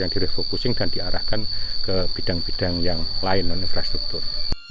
yang direfocusing dan diarahkan ke bidang bidang yang lain non infrastruktur